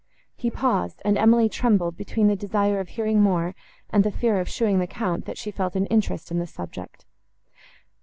He paused, and Emily trembled, between the desire of hearing more and the fear of showing the Count, that she felt an interest on the subject.